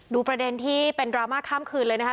ประเด็นที่เป็นดราม่าข้ามคืนเลยนะคะ